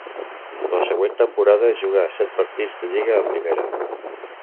La següent temporada jugà set partits de lliga a Primera.